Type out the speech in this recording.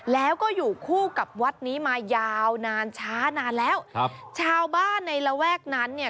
แล้วก็อยู่คู่กับวัดนี้มายาวนานช้านานแล้วครับชาวบ้านในระแวกนั้นเนี่ย